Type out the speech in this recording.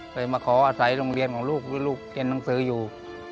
เคยมาขออาศัยโรงเรียนของลูกหรือลูกเรียนหนังสืออยู่